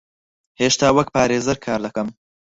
هێشتا وەک پارێزەر کار دەکەم.